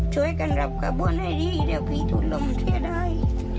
ช่วยกันรับกระบวนให้ดีเดี๋ยวพี่ทุนลมเสียได้